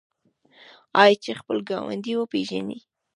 آیا چې خپل ګاونډی وپیژني؟